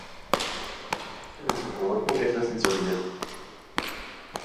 La temática de su trabajo es la sensualidad.